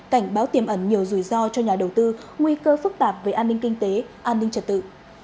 cảnh báo tiềm ẩn nhiều rủi ro cho nhà đầu tư nguy cơ phức tạp về an ninh kinh tế an ninh trật tự